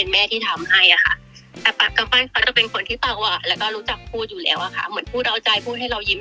มันไหม้มันเหมือนหมูยากเลยเป็นไข่ยาก